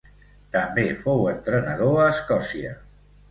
També fou entrenador a Escòcia.